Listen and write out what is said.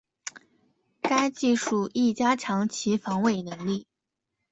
该技术亦加强其防伪能力。